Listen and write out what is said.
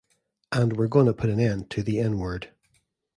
And we're gonna put an end to the n-word.